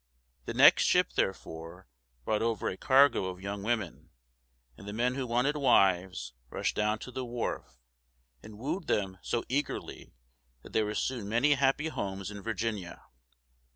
The next ship, therefore, brought over a cargo of young women, and the men who wanted wives rushed down to the wharf, and wooed them so eagerly that there were soon many happy homes in Virginia.